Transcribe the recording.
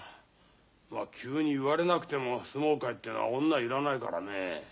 ま急に言われなくても相撲界ってのは女いらないからねえ。